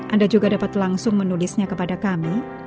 anda juga dapat langsung menulisnya kepada kami